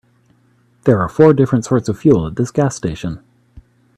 There are four different sorts of fuel at this gas station.